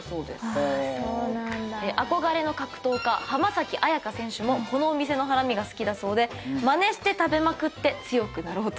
憧れの格闘家浜崎朱加選手もこのお店のハラミが好きだそうでまねして食べまくって強くなろうとしている。